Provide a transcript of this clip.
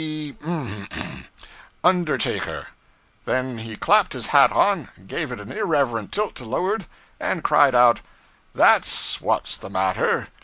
B , Undertaker.' Then he clapped his hat on, gave it an irreverent tilt to leeward, and cried out 'That's what's the matter!